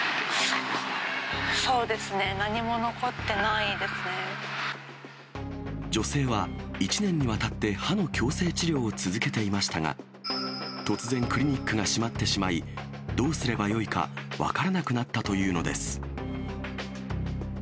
そうですね、何も残ってない女性は１年にわたって、歯の矯正治療を続けていましたが、突然クリニックが閉まってしまい、どうすればよいか、分からなくなったというのです。